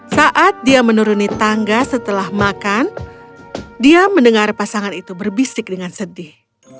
saat dia menuruni tangga setelah makan dia mendengar pasangan itu berbisik dengan sedih